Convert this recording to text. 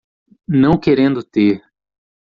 Não querendo ter